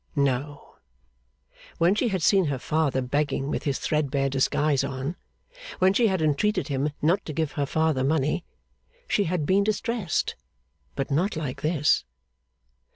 No. When she had seen her father begging with his threadbare disguise on, when she had entreated him not to give her father money, she had been distressed, but not like this.